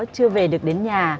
chưa về được đến nhà